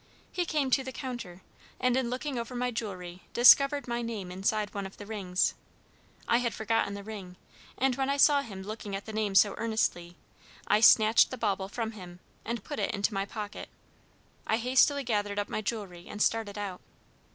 He came to the counter, and in looking over my jewelry discovered my name inside of one of the rings. I had forgotten the ring, and when I saw him looking at the name so earnestly, I snatched the bauble from him and put it into my pocket. I hastily gathered up my jewelry, and started out.